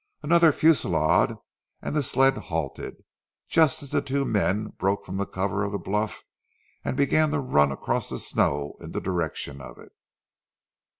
Another fusillade, and the sled halted, just as the two men broke from the cover of the bluff and began to run across the snow in the direction of it.